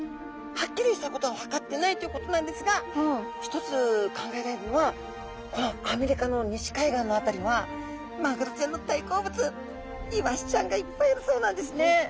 はっきりしたことは分かってないということなんですが一つ考えられるのはこのアメリカの西海岸の辺りはマグロちゃんの大好物イワシちゃんがいっぱいいるそうなんですね。